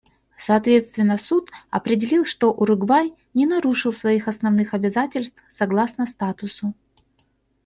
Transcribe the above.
Соответственно Суд определил, что Уругвай не нарушил своих основных обязательств согласно статуту.